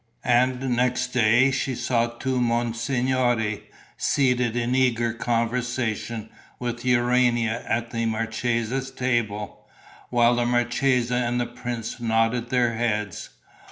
And next day she saw two monsignori seated in eager conversation with Urania at the marchesa's table, while the marchesa and the prince nodded their heads.